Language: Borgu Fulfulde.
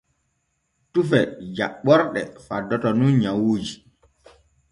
Tufe jaɓɓorɗe faddoto nun nyawuuji.